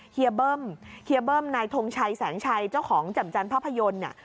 เบิ้มเฮียเบิ้มนายทงชัยแสนชัยเจ้าของแจ่มจันทภาพยนตร์เนี่ย